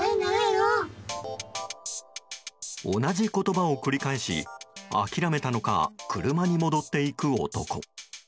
同じ言葉を繰り返し諦めたのか車に戻っていく男。